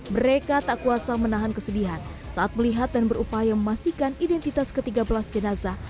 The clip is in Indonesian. mereka tak kuasa menahan kesedihan saat melihat dan berupaya memastikan identitas ke tiga belas jenazah